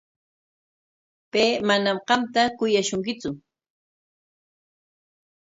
Pay manam qamta kuyashunkitsu.